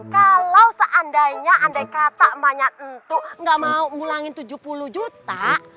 kalau seandainya andai kata emahnya entu ga mau ngulangin tujuh puluh juta